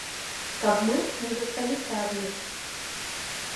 Каб мы не засталіся адны.